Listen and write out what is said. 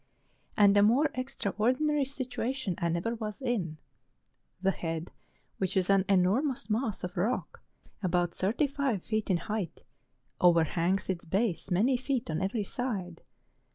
And a more extraordinary situation I never was in. The head, which is an enormous mass of rock, about thirty five feet in height, overhangs its base many feet on every side.